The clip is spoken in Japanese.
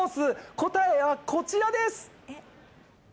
答えはこちらです！